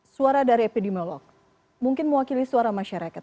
suara dari epidemiolog mungkin mewakili suara masyarakat